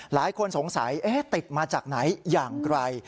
หลายคนสงสัยติดมาจากไหนอย่างไร